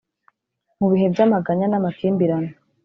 mu bihe by'amaganya n'amakimbirane.